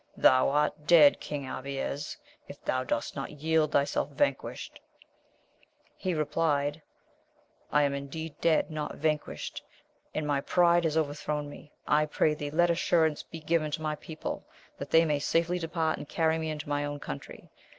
Thou art dead, King Abies, if thou dost not yield thyself vanquished ! He replied, I am indeed dead, not vanquished, and my pride has overthrown me. I pray thee, let assur ance be given to my people, that they may safely depart and carry me into my own country.